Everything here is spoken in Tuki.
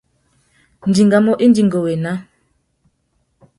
Nʼdingamú indi ngu wô ena.